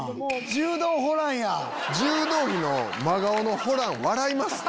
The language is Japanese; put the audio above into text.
柔道着の真顔のホラン笑います。